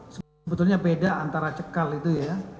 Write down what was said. sebetulnya beda antara cekal itu ya